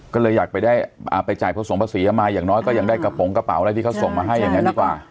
ก็เลยอยากไปได้ไปจ่ายผสมภาษีออกมาอย่างน้อยก็ยังได้กระโปรงกระเป๋าอะไรที่เขาส่งมาให้อย่างนี้ดีกว่า